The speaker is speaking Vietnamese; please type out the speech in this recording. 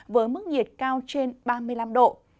với mức nhiệt cao trên ba mươi năm độ